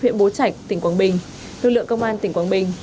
huyện bố trạch tỉnh quảng bình lực lượng công an tỉnh quảng bình